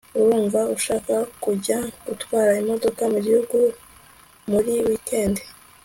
urumva ushaka kujya gutwara imodoka mugihugu muri wikendi